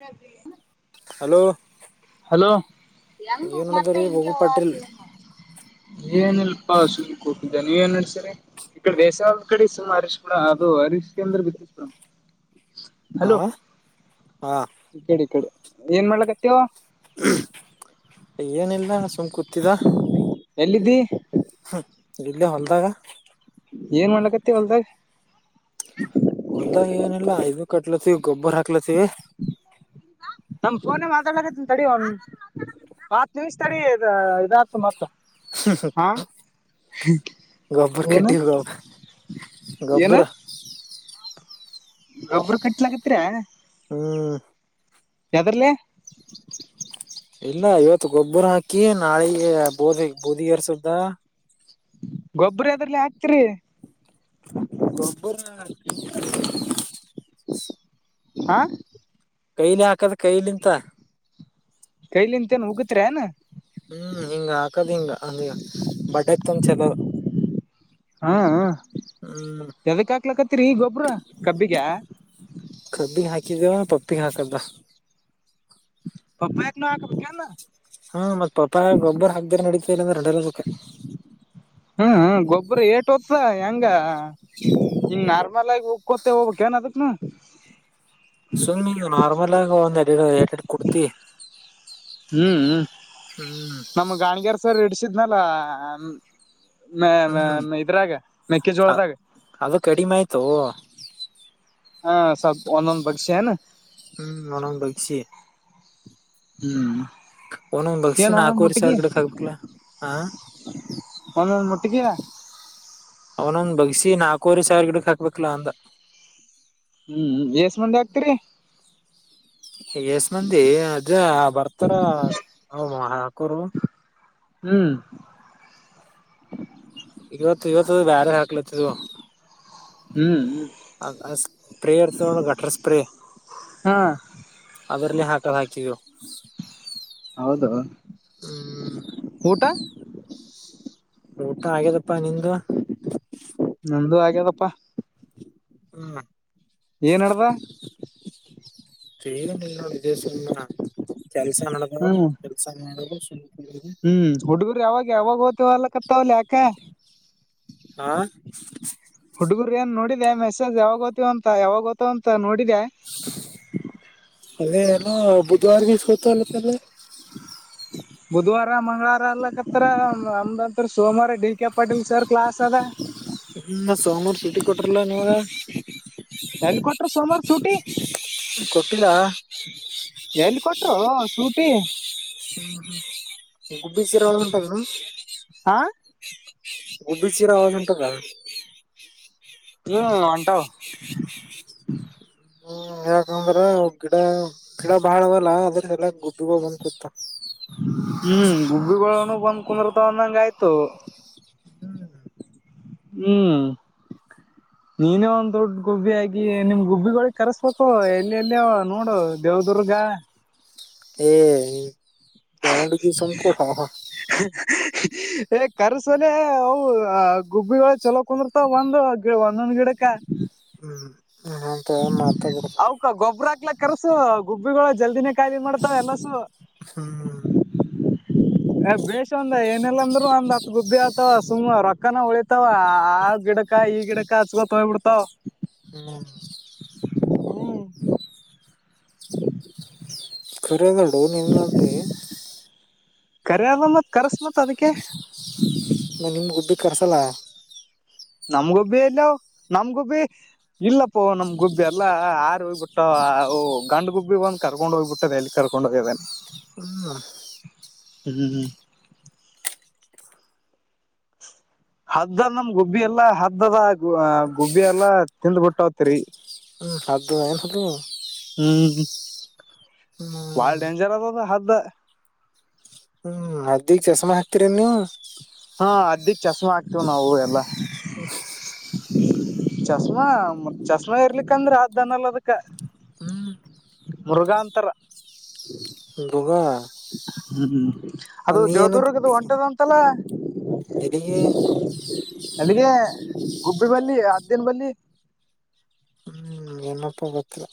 ಹ ಹಲೋ ಹೆಂಗ ಏನ್ ಮತ್ತೆ ನಡದವ್ರೀ ಹಿಂಗೆ ಬಗು ಪಾಟೀಲ್ ಆಲಿ ಏನಲ್ಪಾ ಸುಮ್ನೆ ಕೂತಿದ್ದೆ ನೀವ್ ಏನ್ ನಡ್ಸೀರಿ ಈಡೆ ದೇಸಾವ ಕಡೆ ಸುಮ ಅರೀಶ್ ಕೂಡ ಅದು ಅರೀಶ್ಕ ಅಂದ್ರ ಬಿತ್ತಿಸ್ ಕಡ ಹಾ ಹಾ ಈ ಕಡೆ ಈ ಕಡೆ ಏನ್ ಮಾಡ್ಲಕ್ಕತ್ತವ ಏನಿಲ್ಲ ಸುಮ್ ಕೂತಿದ ಎಲ್ಲಿದ್ದೀ ಇಲ್ಲೇ ಹೊಲ್ದಾಗ ಏನ್ ಮಾಡ್ಲಕತ್ತ ಹೊಲ್ದಾಗ ಒಂದಾಗ ಏನಿಲ್ಲ ಐದು ಕಟ್ಲತ್ತವಿ ಗೊಬ್ಬರ ಹಾಕ್ಲತ್ತೀವಿ ನಮ ಫೋನ ಮಾತಾಡ್ಗತ್ತ ತಡಿ ಒ್ ಹತ್ ನಿಮಿ್ ತಡಿ ಇದತ ಮತ್ತ ಹ ಹಾ ಗೊಬರ ಕಿಟ್ಟ ಏನು ಹ ಗೊಬರ ಗೊಬ್ಬರು ಕಟ್ಲಕತ್ ಹ್ಮ್ ಯತರಲ್ಲ ಇಲ್ಲ ಇವತ್ತು ಗೊಬ್ಬರ ಹಾಕಿ ನಾಳಿಗೆ ಬೋದಿ ಬೂದಿಗರ್ಸ್ದ ಗೊಬ್ಬರಿ ಅದ್ರಲ್ಲಿ ಹಾಕ್ತಿರಿ ಗೊಬ್ಬರ್ನಾ ಹಾ ಕೈಲಿ ಹಾಕದು ಕೈಲಿಂತ ಕೈಲಿಂತೇನ್ ಹಗತ್ಏನ ಹ್ಮ್ ಹಿಂಗ ಹಾಕದ್ ಹಿಂಗ ಅಂಗ ಬಟ್ಟತ್ ಒಂದ ಚಲೋ ಹಾ ಹ್ಮ್ ಎದಕ್ ಹಾಕ್ಲಕ್ಕತ್ತರಿ ಗೊಬ್ಬ್ರ ಕಬ್ಬಿಗೆ ಕರ್ದ ಹಂಕಿದಿದೆ ತೊಪ್ಪತಿಂಗ ಹಂಕಾ ಪಪಾ ಎ ನ ಆಕ ಕ ಹಾ ಮತ್ತ್ ಪಾಪ ಗೊಬ್ಬರ ಹಾಕ್ದ್ರ ನಡಿತ ಇಲ್ಲ ಅಂದ್ರೆಂಡಲ್ಲ ಬಖ ಹ ಗೊಬ್ಬ್ರ ಏಟ್ ಹೊ್ತ ಹೆಂಗ ಹಂಗ ನಾರ್ಮಲ್ ಆಗಿ ಉಕೋತೇ ಹೋಗ್ಕ್ ಏನ್ ಅದಕ್ನು ಹ ಸುಮ್ ನೀಗ ನಾರ್ಮಲ್ ಆಗ ಒಂದ್ ಎರ ಎರರಡು ಕುಡ್ತಿ ಹ್ಮ್ ಹ್ಮ್ ನಮ್ ಗಾಣಗ್ಯರ್ ಸರ್ ಇಡ್ಸಿದ್ನಲ್ಲ ಮ ಹ್ಮ್ ಮ ಇದ್ರಾಗ ಅ- ಮೆಕ್ಕೆಜೋಳದಾಗ ಅದು ಕಡಿಮೆ ಆಯ್ತು ಹಾ ಸ್ವಲ್ಪ ಒಂದೊಂದ್ ಬಕ್ಷಿ ಏನು? ಹ್ಮ್ ಒಂದೊಂದ್ ಬಗ್ಸಿ ಹ್ಮ್ ಒನೊಂದ್ ಬಗ್ಸಿ ಏನ್ ಒಂದೊಂದ್ ನಾಲ್ಕು ವರ್ಷ ಮುಟ್ಟಿಗೆ ಅವರ ಕಡೆಕ್ ಹಗ್ಕ್ಲ ಹ [unintelligible] ಅವನೊಂದ ಬಗ್ಸಿ ನಾಕೂವರೆ ಸಾವಿರ ಗಿಡಕ್ ಹಾಕ್ಬೇಕಲಾ ಅಂದ. ಹ್ಮ್ ಯೇಸ್ಮಂದ್ ಹಕ್ತಿರಿ? ಏಸ್ ಮಂದಿ ಅಜ ಬರ್ತಾರ ಅವ ಹಾಕೊರು. ಹ್ಮ್ ಇವತ್ತು ಇವತ್ತು ಬೇರೆ ಹಾಕ್ಲತ್ತದು. ಹ್ಮ್ ಅ ಸ್ಪ್ರೇ ಇರ್ತದ್ ನೋಡು ಗಟರ್ ಸ್ಪ್ರೇ. ಹಾ ಅದ್ರನೇ ಹಾಕ ಹಾಕಿವವು [unintelligible] ಹೌದು ಹ್ಮ್ ಊಟ? ಊಟ ಆಗ್ಯದಪ್ಪಾ ನಿಂದು? ನಂದು ಹಾಗ್ಯದಪ್ಪಾ. ಹ್ಮ್ ೇನ್ ನೋ ಇದೇಶ [unintelligible] ಕೆಲ್ಸ ನಡದ ಹ್ಮ್ ಕೆಲ್ಸ ಮಾಡ ಹ್ಮ್ ಹುಡುಗರು ಯಾವಾಗ್ಯಾವಾಗ ಓತವಾಲ್ಲ ಕತ್ತಾವಲ್ ಯಾಕ? ಹಾ ಹುಡುಗುರು ಏನ್ ನೋಡಿದೆನ್ ಮೆಸೇಜ್ ಯಾವಾಗೋತ್ತವ ಅಂತ ಯಾವಾಗೊತ್ತವಂತ ನೋಡ್ ಿದ [unintelligible] ಅದೇ ಏನೋ ಬುಧವಾರ ಈಸ್ಕೊತಲ್ಲತದೆ. ಬುಧವಾರ ಮಂಗಳವಾರ ಅಲ್ಲಕತ್ತರ ಅಂದಂದ್ರೆ ಸೋಮವಾರ ಡಿ ಕ ಪಟಿಲ್ ಸರ್ ಕ್ಲಾಸ್ ಅದ. ಟಲಾನ [unintelligible] ಎಲ್ಲಿ ಕೊಟ್ರ ಸೋಮಾರ್ ಸೂಟಿ ಗೊತ್ತಿಲ್ಲಾ ಎಲ್ಲ್ ಕೊಟ್ಟ್ರು ಸೂಟಿ? ಗುಬ್ಬಿ [unintelligible] ಒಳಮಟಾರೆ ಹಾ ಗುಬ್ಬಿಸಿರ [unintelligible] ಆವ ಂಟ ಹ್ಮ್ ಹೊಂಟವ್. ಹ್ಮ ಯಾಕಂದ್ರ ಗಿಡ ಗಿಡ ಬಾಳವಲ್ಲ ಅದ್ಕ ಎಲ್ಲ ಗುಬ್ಬಿಗಳ್ ಬಂದ್ಕುತ್ತವ್. ಹ್ಮ್ ಗುಬ್ಬಿಗಳುನು ಬಂದ್ ಕುಂದ್ರತವ್ ಅಂದಂಗ ಆಯ್ತು. ಹ್ಮ್. [unintelligible] ನೀನೇ, ಒಂದ್, ದೊಡ್ಡ ಗುಬ್ಬಿ, ಆಗಿ ನಿಮ್ ಗುಬ್ಬಿಗಳಗ್, ಕರೆಸ್ಬೇಕು, ಎಲ್ಲೆಲ್ಲೋ, ನೋಡು ದೇವದುರ್ಗ. [inaudible] ಹ. [inaudible] ಏ, ಗಂಡುಸುಮ್ನೆ, ಕುಂತ್ಕೊಳ. [unintelligible] ಏ ಕರ್ಸೋಲೆ ಅವು ಗುಬ್ಬಿಗಳ ಚಲೋ ಕುಂದರ್ತ ಒಂದ್ ಗಿ ಒಂದೊಂದ್ ಗಿಡಕ ಹ್ಮ್ ಅಂತ ಮಾತಾಡ್ಬಿಡ್ತ ಅವ್ಕ ಗೊಬ್ಬ್ರ ಹಾಕ್ಲ್ಕರ್ಸು ಗುಬ್ಬಿಗಳು ಜಲ್ದಿನೇ ಖಾಲಿ ಮಾಡ್ತಾವ ಎಲ್ಲಸು. ಹ್ಮ ಅ ಬೇಷ್ ಅಂದ ಏನೆಲ್ಲಾಂದ್ರರು ಒಂದ್ ಹತ್ ಗುಬ್ಬಿ ಅಥವಾ ಸುಮ್ಮ್ ರೊಕ್ಕನ ಉಳಿ ಇರ್ತಾವ ಆ ಗಿಡಕ ಈ ಗಿಡಕ ಹಚ್ಕೊತ್ ಹೋಗ್ಬಿಡ್ತಾವ್ ಹ್ಮ್ ಹ್ಮ್ [inaudible] ಕುರಿಗಳು ನಿನ್ನಾದೆ ಕರಿಯಾದ್ ಮತ್ತ್ ಕರ್ಸ್ಮತ್ತ್ ಅದಕ್ಕೆ. ನನಗೆ ಹುಡ್ಬಿ, ಕಳ್ಸಲ್ಲ. [unintelligible] ನಮ್, ಗುಬ್ಬಿ ಎಲ್ಲವೂ, ನಮ್, ಗುಬ್ಬಿ! ಇಲ್ಲಪ್ಪೋ, ನಮ್, ಗುಬ್ಬಿ, ಎಲ್ಲ, ಹಾರಿಬಿಟ್ಟಾವ. [unintelligible] ಅ, ಓ, ಗಂಡು ಗುಬ್ಬೆ ಒಂದು, ಕರ್ಕೊಂಡು ಹೋಗ್ಬಿಟ್ಟದೆ! ಎಲ್ಲಿ, ಕರ್ಕೊಂಡ್, ಹೋಗ್ಯದಾನ. [inaudible] ಹ್, ಹ. [unintelligible] ಹ್ಮ್ಮ್. [inaudible] ಹದ್ದದ, ನಮ್, ಗುಬ್ಬಿ ಎಲ್ಲಾ! ಹದ್ದದ ಗುಬ್ಬಿ ಎಲ್ಲಾ, ತಿಂದು, ಬಿಟ್ಟಾವತಿರಿ. [inaudible] ಹ್ಮ್, ಹಾದು, ಏನುವದು. [unintelligible] ಹ್ಮ್. [inaudible] ಬಾಳ, ಹ್ಮ್ ಡೇಂಜರ್! ಅದುದ, ಹಾದು. [inaudible] ಹ್ಮ್, ಅದ್ದಿಗ್, ಚಷಮಾ, ಹಾಕ್ತೀರ, ನೀವು! [inaudible] ಹಾ, ಅದ್ದಿದ್ದ, ಚಷಮಾ, ಆಗ್ತೇವ್! ನಾವು ಎಲ್ಲಾ? [inaudible] ಉಶು. [unintelligible] ಚಸ್ಮಾ, ಚಸ್ಮಾ, ಇರ್ಲಿಕ್ಕಂದ್ರೆ! ಅಧಿಯೇನುಲಾಧುಕ್ಕ. ಹ್ಮ್ [unintelligible] ಮುರುಗಾನುತ್ತಾರ! [inaudible] ಬುಗ ಹ್ಮ್, ಅದು ಮತ್ ನೀ ಏನಂತ ದೇವದುರ್ಗ್ದ, ಒಂಟದ, ಅಂತಲ್ಲ. [inaudible] ಎಲ್ಲಿಗೆ. [unintelligible] ಅಲ್ಲಿಗೆ ಗುಬ್ಬಿ, ಬಲ್ಲಿ, ಅದ್ದಿನ ಬಲ್ಲಿ. [unintelligible] ಹು, ಹೆಣ್ಣಪ, ಗೊತ್ತಿಲ್ಲ.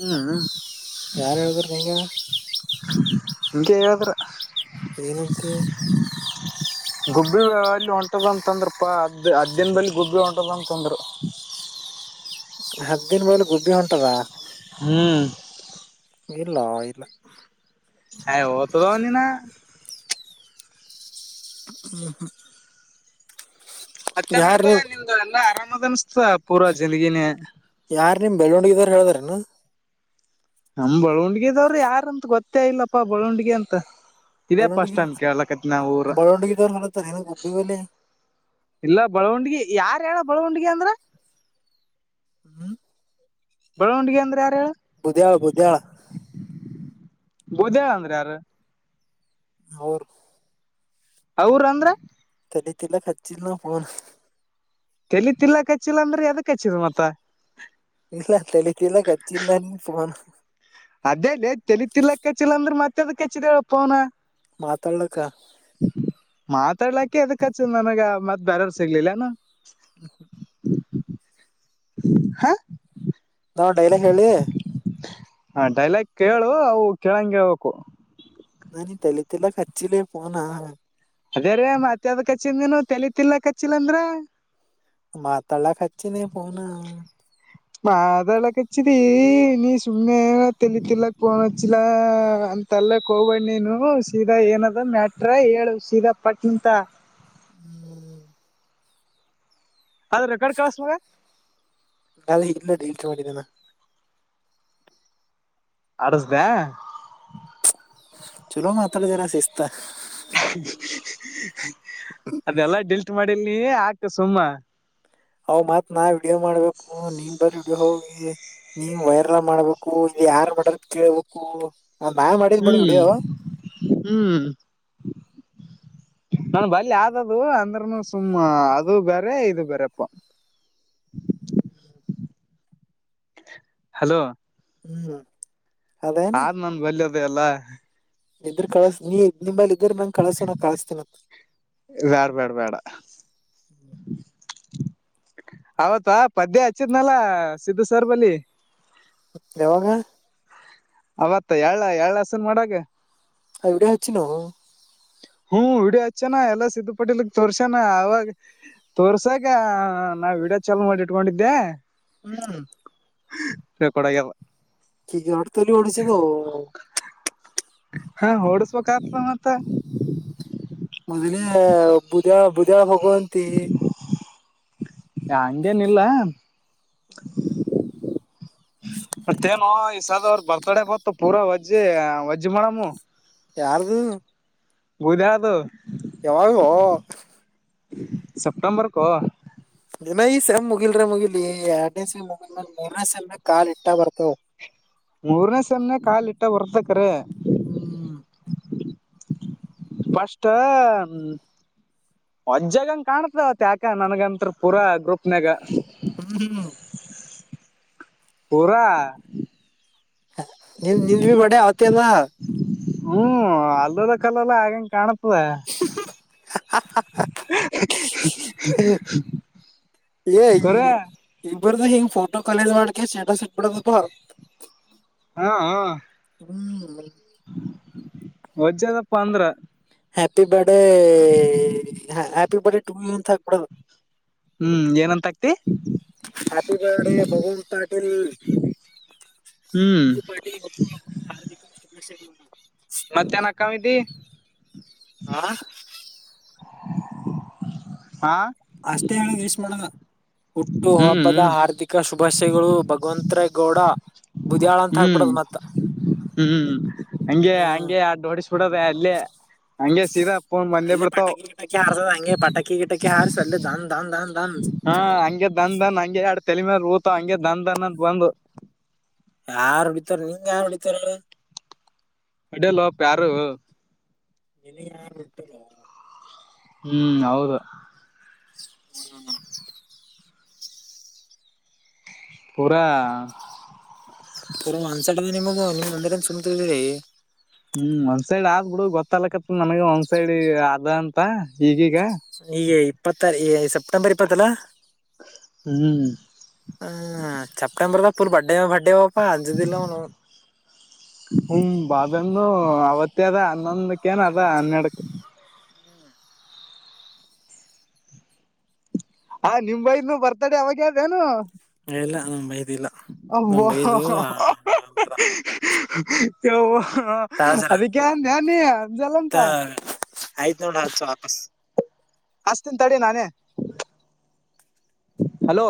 ಹ್ಮ್ ಯಾರು, ಹೇಳಿದ್ರು, ನಿನ್ಗೆ. [unintelligible] ಹಂಗೆ, ಹೇಳಿದ್ರು. [unintelligible] ಏನಂತೆ. [unintelligible] ಗುಬ್ಬಿ, ಅಲ್ಲಿ ಹೊಂಟದಂತಂದ್ರಪ್ಪಾ! ಹತ್ತು ದಿನದಲ್ಲಿ, ಗುಬ್ಬಿ ಹೊಂಟದ, ಅಂತಂದ್ರು. [unintelligible] [unintelligible] [inaudible] ಹತ್ತು ದಿನದಲ್ಲಿ ಗುಬ್ಬಿ ಒಂಟೋಧ. [unintelligible] ಹ್ಮ್. [unintelligible] ಇರಾಲ್ಲ, ಇಲ್ಲ. [unintelligible] ಹೇ ಹೋಗುತ್ತದೆ, ಒಂದುಧೀನ. [unintelligible] ಹ್ಮ, ಹು. [unintelligible] ಮತ್ತೆ, ನಡದಾ, ನಿಮ್ದು ಎಲ್ಲಾ ಆರಂಸ್ತದ, ಊರ ಜಲ್ದಿನೆ. [unintelligible] ಯಾರ್, ನಿಮ್ ಬೇಲಿ ಹುಂಡಿ ಅವರು ಹೇಳಿದ್ದೇನು! [unintelligible] ನಮ, ಬೆಳ್ಳಿಯೊಂದಿಗೆ, ಯಾರಂತ ಗೊತ್ತೇ! ಇಲ್ಲಪ್ಪಾ ಬಳವಂಡಗಿ ಅಂತ? [unintelligible] ಇದೇ ಬೆಳ್ಳುಂಡಗಿ ಫಸ್ಟ್ ಕೇಳಾಕತ್ತಿನಿ, ಊರ. ಬೆಳ್ಳುಂಡಗಿದವ್ರ ಹೇಳತಾರ ಏನ [unintelligible] ಗುಬ್ಬಿ ಬಲಿ ಇಲ್ಲ, ಬಳವಂಡಗಿ, ಯಾರ್! ಹೇಳು, ಬಳವಂಡಗಿ ಅಂದ್ರ. [inaudible] ಹ್ಮ್. [inaudible] ಬೆಳವಣಿಗೆ, ಅಂದ್ರೆ, ಯಾರು, ಹೇಳು. [inaudible] ಬುದ್ಧಿ ಹೇಳು ಬುದ್ಧಿಹೇಳು. [inaudible] [unintelligible] ಅಂದ್ರ ಯಾರು. ಅವರ್ [unintelligible] ಅವ್ರ ಅಂದ್ರೆ. ತಲ್ಲಿ ತಿನ್ನಕ್ ಹಚಿಲ್ಲ ಫೋನ್. ತೇಲಿಕ್ಕಿಲ್ಲ ಕಚಿಲಾ, ಅಂದ್ರೆ, ಹೇಧಿಕೆ, ಅಚಿಧುಮತ್ತೆ. [unintelligible] ಇಲ್ಲ ತಲಿ ತಿಲ್ಲಕ್ ಹಚ್ಚಿಲ್ಲ ನೀ ಫೋನ್ ಅದ್ಹೇಲೇ, ತಲತಿಲ್ಲ, ಕೆಚ್ಚಲ, ಅಂದ್ರೆ! ಮತ್ತೆ ಎದಕ್ಕೆ ಹಚ್ಚಿದೆ ಫೋನು. [inaudible] ಮಾತಾಡಲ್ಲಕಾ! [unintelligible] ಮಾತಾಡ್ಲಕ, ಎದಕ್ಕ, ಹಚ್ಚಿದ್ದ, ನನಗ ಮತ್ತೆ, ಬೇರೆಯವರ ಸಿಕ್ಕಿಲ್ಲ ಅಣ್ಣ. [unintelligible] ಹಾ. [unintelligible] ನಾವು ಒಂದು ಡೈಲಾಗ್ ಹೇಳಿ. [unintelligible] ಹ, ಡೈಲಾಗ್, ಕೇಳು! ಅವು ಕೇಳಂಗಗೆಬೇಕು. [unintelligible] ನನ್ನ ತಲೆ ತಿನ್ನಲಾಕ್ಕ, ಅಚಿಧೀಯ, ಫೋನ. [unintelligible] ಆದರೆ ಮತ್ತೇನು ಅಚ್ಚಿದ್ದು, ನೀನು, ತಲೆತಿನೋಕೆ, ಅಚಿಲ್ಲಾಂದ್ರೆ. [inaudible] ಮಾತಾಲಡಕ್ಕ, ಅಚೀನಿ, ಫೋನ. [inaudible] ಮಾದಳ ಕಚರಿ ನೀ ಸುಮ್ಮನೆ ತಲಿ [unintelligible] ಅಂತಲ್ಲ ಹೋಗ್ಬ ನೀನು ಸೀದಾ ಏನದ ಮ್ಯಾಟ್ರ ಹೇಳ ಸಿದ ಪಟ್ನಂತ [unintelligible] ಅದ್ರ ರೆಕಾರ್ಡ್ ಕಳ್ಸ್ ಮಗ. [unintelligible] ಡಿಲ್ಟ್ ಮಾಡಿದ್ದೇನ ಅಡಸ್ದ ಚಲೋ ಮಾತಡಿದಿರ ಸಿಸ್ಥ. ಅದೆಲ್ಲ ಡಿಲ್ಟ್ ಮಾಡಿ ಮ್ಮಿ ಯಾಕ್ ಸುಮ್ಮ. ಅವ ಮತ್ ನಾ ವಿಡಿಯೋ ಮಾಡ್ಬೇಕು ನೀನ್ ಬರ ವಿಡಿಯೋ ಹೋಗಿ ನೀನ್ ವೈರಲ್ ಮಾಡ್ಬೇಕು. ಯಾರ [unintelligible] ಕೇಳ್ಬೇಕು ನಾ ಮಾಡಿದ್ ಬಿಡ ಹ್ಮ್ ವಿಡಿಯೋ ಹ್ಮ್ ನಾನ [unintelligible] ಯಾವ್ದದು ಅಂದ್ರನು ಸುಮ್ಮ ಅದು ಬೇರೆ ಇದು ಬೇರೆಪ್ಪ. [inaudible] ಹಲೋ ಹ್ಮ್ ಅದೇನ ಆದ್ ನನ್ [unintelligible] ಅಲ್ಲ ಇದ್ರ ಕಳಸ ನೀ ನಿಂಬಲ್ ಇದ್ರ ನಂಗೆ ಕಳಸೋನ ಕಳಸ್ತಿನ್ ಅ ಬ್ಯಾಡ್ ಬ್ಯಾಡ್ ಬೇಡ [inaudible] ಅವತಾ ಪದ್ಯ ಹಚ್ಚಿದ್ನಲ್ಲ ಸಿದ್ದು ಸರ್ ಬಲ್ಲಿ. ಯಾವಾಗ ಅವತ್ತ ಯಳ್ ಯಏಳ್ ಹಸನ್ ಮಾಡಾಗ ಎವಡ ಹೆಚ್ಚಿನೋ. ಹ್ಮ್ ವಿಡಿಯ ಹಚ್ಚನಾ ಎಲ್ಲಾ ಸಿದ್ದುಪಟೀಲಿ ತೋರ್ಸಾನ ಅವಾಗ ತೋರ್ಸಾಗ ನಾ ವಿಡೋಯೊ ಚಾಲೋ ಮಾಡಿ ಇಟ್ಕೊಂಡಿದ್ದೆ. ಹ್ಮ್ ರೆಕಾರ್ಡ್ ಅಗ್ಯವ [unintelligible] ತಲಿ ಹೊಡ್ಸಿದ್ಯೋ [unintelligible] ಹಾ ಹೊಡಸ್ಬೇಕ ಆಗ್ತದ ಮತೆ ಮೊದ್ಲೇ ಬುುದ್ಯ ಬುುದ್ಯ ಹೋಗುವಂತಿ. ಹಂಗೇನಿಲ್ಲ ಮತ್ತೇನು ಈಸಾದವ್ರ ಬರ್ತಡೇ ಬತ್ ಪೂರಾ ವಜ್ಜಿ ವಜ್ಜ ಮಾಡಮ್ಮು ಯರ್ದು [unintelligible] [unintelligible] ಯಾವಾಗೋ ಸೆಪ್ಟೆಂಬರ್ ಕ ಇನ ಈ ಸ ಮುಗಿಲ್ರ ಮುಗಿಲ್ ಎರಡ್ನೇಸ ಮುಗಲ್ ಮೂರ್ನೇ ಸಲ್ ಕಾಲ್ ಇಟ್ಟ ಬರ್ತವ ಮೂರನ್ನ ಸಣನೆ ಕಾಲಿಟ್ಟ ಹೊರ್ತಕ್ರ ಹ್ಮ ಪಷ್ಟಟಾ ಅಂ [unintelligible] ಕಾಣತ್ ಅವತ್ ಯಾಕ ನನ್ಗಂತ ಪೂರಾ ಗ್ರೂಪ್ನಗ ಹ್ಮ್ [unintelligible] [unintelligible] ಹ್ಮ್ ಅಲ್ಲದ ಕಲ್ಲಲ್ಲ ಆಗಂಗ ಕಾಣತದ. [unintelligible] ಹೇ ಕರೆ [unintelligible] ಹಿಂಗ್ ಫೋಟೋ ಕೊಲ್ಯಜ್ ಮಾಡ್ಕ ಸ್ಟೇಟಸ್ ಇಟ್ಬಿಡದಪ್ಪಾ. ಹಾ ಹಾ ಹ್ಮ್ ವಜ್ಜದಪ್ಪ ಅಂದ್ರ happy birthday happy birthday two ಅಂತ ಹಾಕ್ಬಿಡದು ಹ್ಮ್ ಏನಂತ ಆಕ್ತಿ ಹ್ಯಾಪಿ ಬರ್ತ್ಡೇ ಭಗಂತ್ ಪಾಟೀಲ್ ಹ್ಮ್ ಪಾಟೀಲ್ ಒ ಹಾರ್ದಿಕ ಶುಭಾೆಗಳು ಮತ್ತೇನ್ ಅಕ್ಕವಿದಿ ಆ ಹಾ ಅಷ್ಟೇ ಹೇಳಷ್ಮಳ ಹುಟ್ಟು ಹ್ಮ್ ಹಬ್ಬದ ಹ್ಮ್ ಹಾರ್ದಿಕ ಶುಭಾಯಗಳು ಭಗವಂತರ ಗೌಡ ಬುದಧಿಯಾಳ ಹ್ಮ್ ಹ್ಮ್ ಹಂಗೆ ಹ್ಮ್ ಹಂಗೆ ಅಡ್ ಹೊಓಡಸ್ಬಿಡದ ಅಲ್ಲಿೇ ಹಂಗೆ ಸೀದಾಪ್ಪನ್ ಮಂದೆ ಬಿಡ್ತಾವ್ ಆ ಹಂಗೆ ಪಟಕಿ ಕಿಟಕ ಹಾರ ಅ ಹಾ ಹಂಗೆ ದನ್ನ್ ಹಂಗಗೆ ಎಡು ತಲೆಮೇಾಲ ಊತ ಹಂಂಗಗೆ ದನ್ ದನ್ ಅಂತ ಬಂದು ಯಾರು ಹೊಡಿತಾರ ನಿಂಂಗ ಯಾರು ಹೊಡಿತಾರಲ್ಲ ಅಡಲ್ಲ ಪ್ಯಾರು ಇನ ಯಾರ ಬಿಟ್ಟಲ ಹ್ಮ್ ಹೌದು ಹ್ಮ ಪೂರೆ ಪರ ಒಂದ್ಸಟ ನಿಮಗ ನಿ್ ಒಂದಡನ್ ಸುಮತರಿ ಹ್ಮ್ ಒಂದ್ ಸೈಡ್ ಆದ್ ಬಿಡು ಗೊತ್ತಲಕ್ಕತ್ ನಮಗ ಒಂದ್ ಸೈಡ್ ಆದ ಅಂತ ಈಗ ಈಗ ಇಪ್ಪತ್ತಾರ ಈ ಸೆಪ್ಟಂಬರ್ ಇಪ್ಪತ್ತ ಅಲ ಹ್ಮ್ ಸೆಪ್ಟಂಬರ್ ಪು ಬಡಡೆ ಬಡೆಪಾ ಅಜ ದಲ್ಲನು ಅಂದು ಅವತ್ತ ಅದ ಹನ್ನೊಂದಕ್ಕ ಏನ ಅದ ಹನ್ನೆರಡಕ್ಕೆ ಆ ನಿಮೈನು ಬರ್ತಾಡೆ ಅವಾಗ್ಯದೇನು ಇಲ್ಲ ನಮ್ ಬೈದಿಲ್ಲ ನಮ್ ಅವ ಬೈದು ನವೆಂಬರ್ದ ಯಾವ್ ತಾಳ್ ಜನ ಅದಕ್ಕೆ ಅಂಡ್ ಏನು ಮುಂಜಾನೆಂದ ಆಯ್ತ್ ನೋಡ ಹಚ್ಚು ವಾಪಸ್ ಅಷ್ಟತನ್ ತಡೆ ನಾನೇ ಹಲೋ